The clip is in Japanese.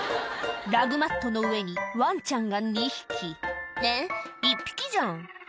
ラグマットの上にワンちゃんが２匹「えっ１匹じゃん」